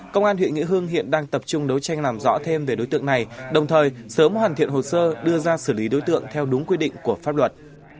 công an huyện nghĩa hưng hiện đang tập trung đấu tranh làm rõ thêm về đối tượng này đồng thời sớm hoàn thiện hồ sơ đưa ra xử lý đối tượng theo đúng quy định của pháp luật